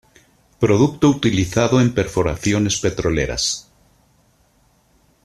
Producto utilizado en perforaciones petroleras.